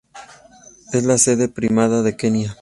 Es la Sede Primada de Kenia.